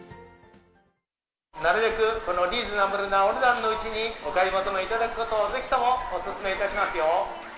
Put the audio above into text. なるべくリーズナブルなお値段のうちに、お買い求めいただくことを、ぜひともお勧めいたしますよ。